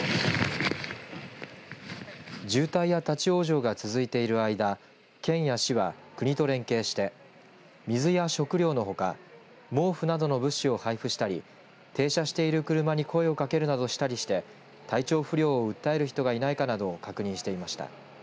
渋滞や立往生が続いている間県や市は、国と連携して水や食料のほか毛布などの物資を配布したり停車している車に声をかけるなどしたりして体調不良を訴える人がいないかなどを確認していました。